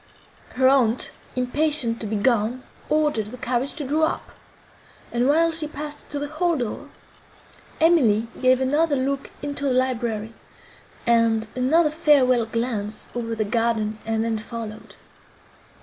Her aunt, impatient to be gone, ordered the carriage to draw up; and, while she passed to the hall door, Emily gave another look into the library, and another farewell glance over the garden, and then followed.